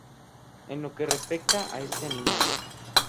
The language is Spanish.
En lo que respecta a este animal.